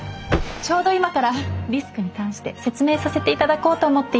ちょうど今からリスクに関して説明させていただこうと思っていたんです。